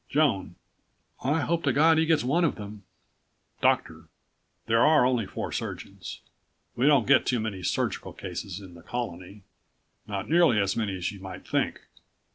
Joan: I hope to God he gets one of them. Doctor: There are only four surgeons. We don't get too many surgical cases in the Colony not nearly as many as you might think.